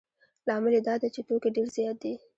لامل یې دا دی چې توکي ډېر زیات دي